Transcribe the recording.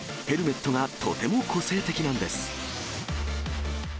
ヘルメットがとても個性的なんです。